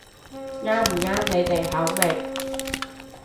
啱唔啱你哋口味